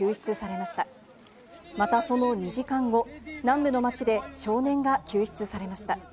また、その２時間後、南部の街で少年が救出されました。